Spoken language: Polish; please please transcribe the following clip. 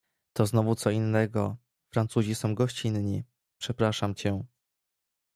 "to znowu co innego; Francuzi są gościnni, przepraszam cię."